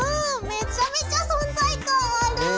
めちゃめちゃ存在感ある。